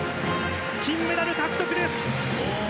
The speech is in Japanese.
金メダル獲得です。